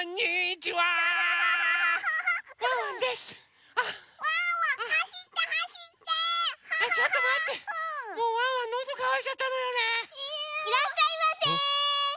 いらっしゃいませ！